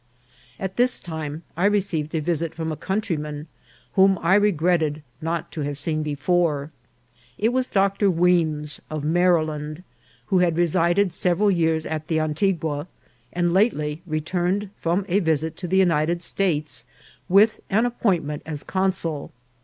At this time I received a visit from a countryman, whom I regretted not to have seen before. It was Dr. Weems, of Maryland, who had resided several years at the Antigua, and lately returned from a visit to the United States, with an appointment as consul.